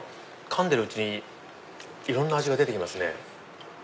かんでるうちにいろんな味が出て来ますね。